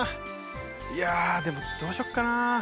いやでもどうしよっかな？